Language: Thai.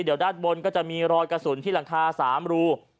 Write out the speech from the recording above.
เดี๋ยวด้านบนก็จะมีรอยกระสุนที่หลังคา๓รู